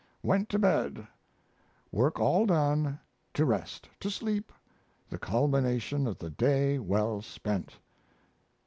"Went to bed" Work all done to rest, to sleep. The culmination of the day well spent!